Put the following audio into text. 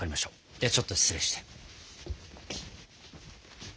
ではちょっと失礼して。